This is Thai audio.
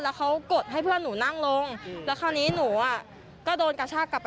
แล้วเขากดให้เพื่อนหนูนั่งลงแล้วคราวนี้หนูอ่ะก็โดนกระชากกลับไป